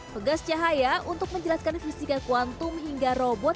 pegas cahaya untuk menjelaskan fisika kuantum hingga robot